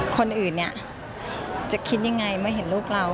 คนอื่นเนี่ยจะคิดยังไงเมื่อเห็นลูกเรา